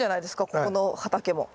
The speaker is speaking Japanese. ここの畑も。